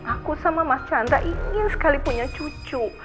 aku sama mas chandra ingin sekali punya cucu